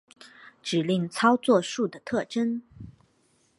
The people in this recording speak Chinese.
指令操作数的特征